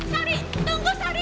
sari tunggu sari